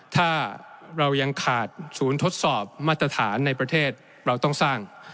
ถ้าเรายังขาดศูนย์ทดสอบมาตรฐานในประเทศเราต้องสร้าง